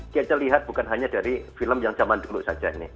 kita lihat bukan hanya dari film yang zaman dulu saja ini